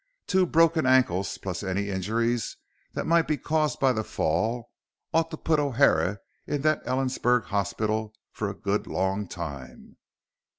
Two broken ankles plus any injuries that might be caused by the fall ought to put O'Hara in that Ellensburg hospital for a good long time.